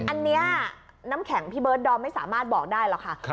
อันนี้น้ำแข็งพี่เบิร์ดดอมไม่สามารถบอกได้หรอกค่ะ